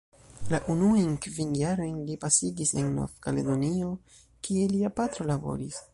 La unuajn kvin jarojn li pasigis en Nov-Kaledonio, kie lia patro laboris.